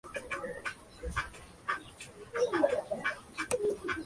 Solamente es un cover y no se adueñaron de esta canción.